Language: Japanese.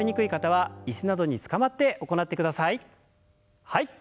はい。